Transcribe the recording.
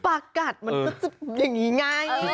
ปากกัดมันก็จะอย่างนี้ไง